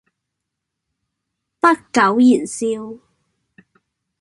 不苟言笑